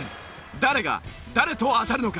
誰が誰と当たるのか？